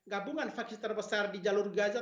gabungan faksi terbesar di jalur gaza